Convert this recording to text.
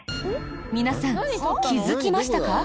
皆さん気づきましたか？